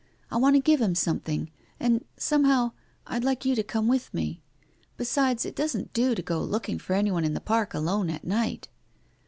I want to give him something. And — somehow — I'd like you to come with me. Besides, it doesn't do to go looking for anyone in the Park alone at night.